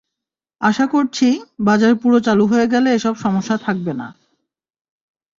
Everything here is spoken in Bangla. আশা করছি, বাজার পুরো চালু হয়ে গেলে এসব সমস্যা থাকবে না।